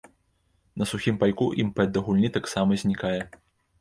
На сухім пайку імпэт да гульні таксама знікае.